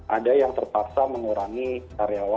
ada yang terpaksa mengurangi karyawan